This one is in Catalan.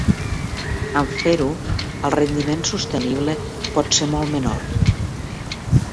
En fer-ho, el rendiment sostenible pot ser molt menor.